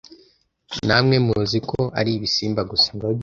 namwe muziko ari ibisimba gusa